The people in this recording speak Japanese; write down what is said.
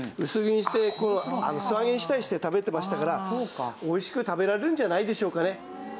薄切りにして素揚げにしたりして食べてましたからおいしく食べられるんじゃないでしょうかね。